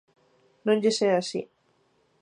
Non lles é así.